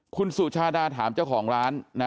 คุณสุชาดาถามเจ้าของร้านนะ